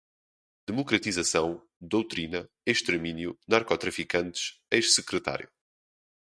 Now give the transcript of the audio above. democratização, doutrina, extermínio, narcotraficantes, ex-secretário